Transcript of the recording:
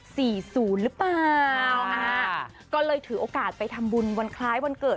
ศูนย์หรือเปล่าอ่าก็เลยถือโอกาสไปทำบุญวันคล้ายวันเกิด